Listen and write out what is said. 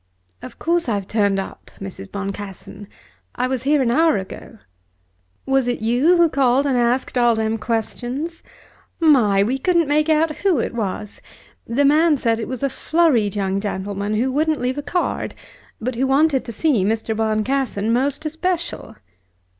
"Of course I've turned up, Mrs. Boncassen. I was here an hour ago." "Was it you who called and asked all them questions? My! We couldn't make out who it was. The man said it was a flurried young gentleman who wouldn't leave a card, but who wanted to see Mr. Boncassen most especial."